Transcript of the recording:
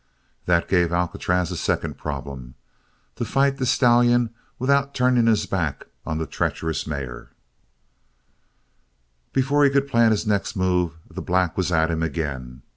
That gave Alcatraz a second problem to fight the stallion without turning his back on the treacherous mare. Before he could plan his next move the black was at him again.